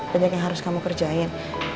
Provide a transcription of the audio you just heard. banyak yang harus kamu kerjain